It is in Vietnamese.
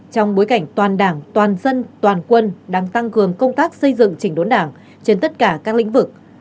trong bối cảnh toàn đảng toàn dân toàn quân đang tăng cường công tác xây dựng chỉnh đốn đảng trên tất cả các lĩnh vực